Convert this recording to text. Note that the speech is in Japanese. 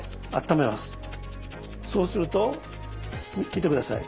そうすると見て下さい。